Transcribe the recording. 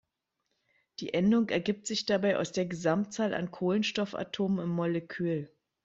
Die Endung ergibt sich dabei aus der Gesamtanzahl an Kohlenstoffatomen im Molekül.